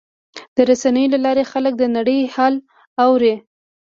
د رسنیو له لارې خلک د نړۍ حال اوري.